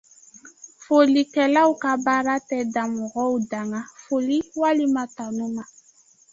Fɔlikɛlaw ka baara tɛ dan mɔgɔw danga, foli walima tanu ma.